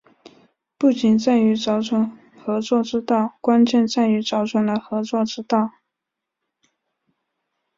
不仅在于找准合作之道，关键在于找准了合作之道